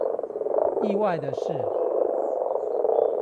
意外的是